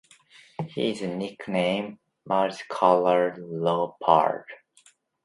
He is nicknamed "Multicoloured Leopard".